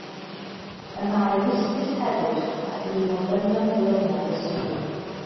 Y mae yn ustus heddwch ac yn un o ddynion blaenaf y sir.